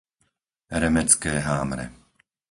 Remetské Hámre